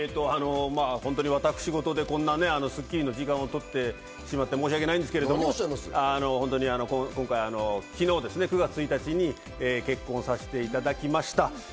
私事で、こんな『スッキリ』で時間を取ってしまって申し訳ないんですけど、昨日９月１日に結婚させていただきました。